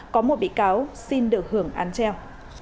có một bị cáo xin được hưởng án treo